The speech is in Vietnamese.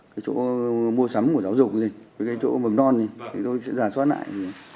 cái chỗ mua sắm của giáo dục cái chỗ mầm non thì tôi sẽ giả soát lại